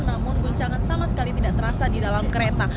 namun goncangan sama sekali tidak terasa di dalam kereta